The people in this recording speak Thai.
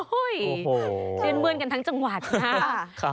โอ้โหเลือนเมืองกันทั้งจังหวัดนะ